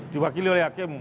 diwakili oleh hakim